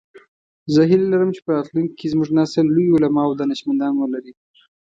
زه هیله لرم چې په راتلونکي کې زموږ نسل لوی علماء او دانشمندان ولری